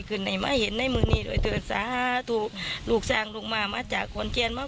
ก็ได้ทำพิธีที่พวกเขาคิดว่าจะสามารถช่วยให้ลูกหลานของเขากลับมาอย่างปลอดภัยครับ